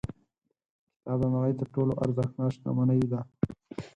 کتاب د نړۍ تر ټولو ارزښتناک شتمنۍ ده.